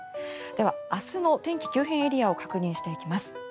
では明日の天気急変エリアを確認していきます。